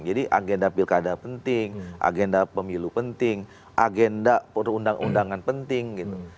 jadi agenda pilkada penting agenda pemilu penting agenda perundang undangan penting gitu